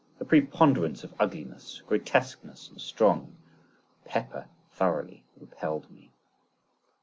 The preponderance of ugliness, grotesqueness and strong pepper thoroughly repelled me.